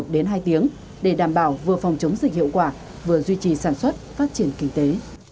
để đảm bảo vừa phòng chống dịch hiệu quả vừa duy trì sản xuất phát triển kinh tế